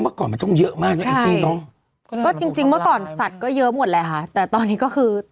โดยกดมาเยอะมากก็จริงวันสัตว์ก็เยอะหมดแหละแต่ตอนนี้ก็คือ